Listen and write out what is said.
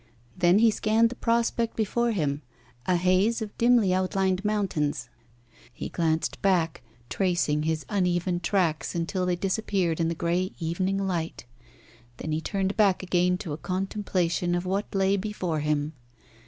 Then he scanned the prospect before him a haze of dimly outlined mountains. He glanced back, tracing his uneven tracks until they disappeared in the grey evening light. Then he turned back again to a contemplation of what lay before him.